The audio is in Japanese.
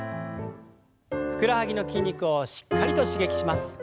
ふくらはぎの筋肉をしっかりと刺激します。